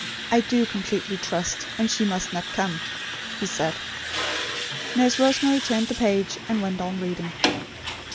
"I do completely trust; and she must not come," he said. Nurse Rosemary turned the page, and went on reading.